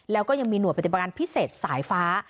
แล้วก็ยังมีหน่วยปฏิบัติการพิเศษสายฟ้า